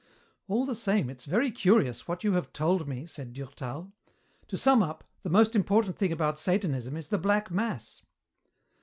"All the same, it's very curious, what you have told me," said Durtal. "To sum up, the most important thing about Satanism is the black mass."